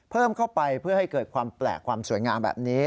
เพิ่มเข้าไปเพื่อให้เกิดความแปลกความสวยงามแบบนี้